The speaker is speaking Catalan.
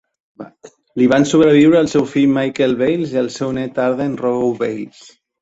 Li van sobreviure el seu fill Michael Bales i el seu nét Arden Rogow-Bales.